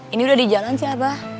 ini udah di jalan sih abah